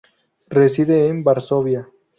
Reside en Varsovia.